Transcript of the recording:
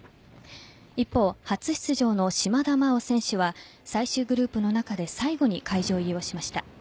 一方、初出場の島田麻央選手は最終グループの中で最後に会場入りをしました。